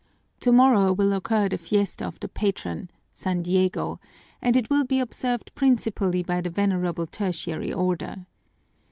Tomorrow will occur the fiesta of the patron, San Diego, and it will be observed principally by the Venerable Tertiary Order.